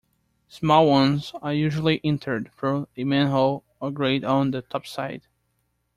Small ones are usually entered through a manhole or grate on the topside.